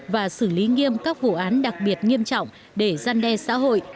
và xử lý nghiêm các vụ án đặc biệt nghiêm trọng để gian đe xã hội